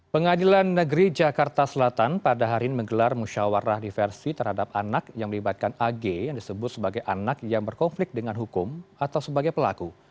pengadilan negeri jakarta selatan pada hari ini menggelar musyawarah diversi terhadap anak yang melibatkan ag yang disebut sebagai anak yang berkonflik dengan hukum atau sebagai pelaku